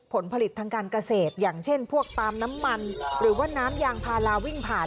ผลผลิตทางการเกษตรอย่างเช่นพวกปาล์มน้ำมันหรือว่าน้ำยางพาราวิ่งผ่าน